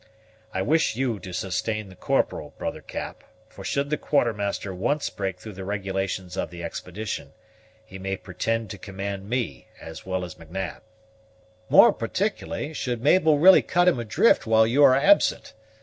I wish you to sustain the Corporal, brother Cap; for should the Quartermaster once break through the regulations of the expedition, he may pretend to command me, as well as M'Nab." "More particularly, should Mabel really cut him adrift while you are absent.